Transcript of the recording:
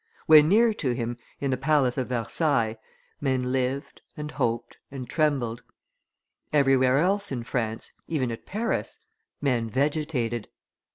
When near to him, in the palace of Versailles, men lived, and hoped, and trembled; everywhere else in France, even at Paris, men vegetated.